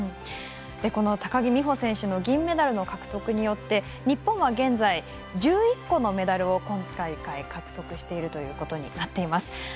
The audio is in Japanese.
この高木美帆選手の銀メダルの獲得によって日本は現在１１個のメダルを今大会、獲得しているということになっています。